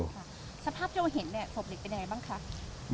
สภาพเจ้าเห็นเนี่ยศพหลีกไปไหนบ้างคะ